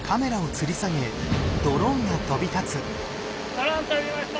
ドローン飛びました。